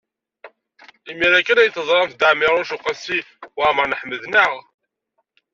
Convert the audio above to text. Imir-a kan ay teẓramt Dda Ɛmiiruc u Qasi Waɛmer n Ḥmed, naɣ?